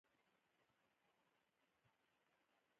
حمزه بابا د پښتو غزل پلار دی.